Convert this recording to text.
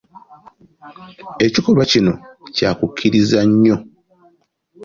Ekikolwa kino kya kukkiriza nnyo.